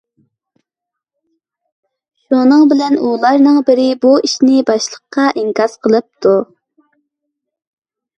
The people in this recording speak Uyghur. شۇنىڭ بىلەن ئۇلارنىڭ بىرى بۇ ئىشنى باشلىققا ئىنكاس قىلىپتۇ.